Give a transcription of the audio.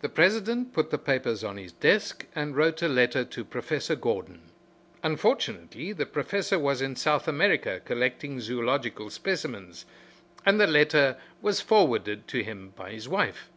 The president put the papers on his desk and wrote a letter to Professor Gordon. Unfortunately the Professor was in South America collecting zoological specimens, and the letter was forwarded to him by his wife.